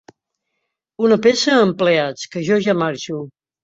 Una peça a empleats, que jo ja marxo.